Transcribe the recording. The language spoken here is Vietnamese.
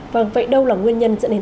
vâng vậy đâu là nguyên nhân